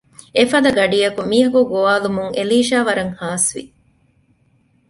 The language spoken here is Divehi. އެފަދަ ގަޑިއަކު މީހަކު ގޮވާލުމުން އެލީޝާ ވަރަށް ހާސްވި